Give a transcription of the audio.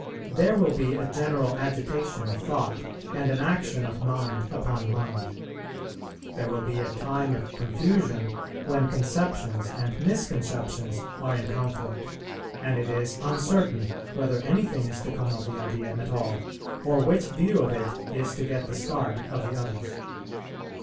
There will be a general agitation of thought, and an action of mind upon mind. There will be a time of confusion, when conceptions and misconceptions are in conflict, and it is uncertain whether anything is to come of the idea at all, or which view of it is to get the start of the others.